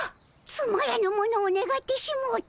つまらぬものをねがってしもうた。